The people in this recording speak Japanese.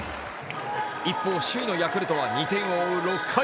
一方首位のヤクルトは２点を追う６回。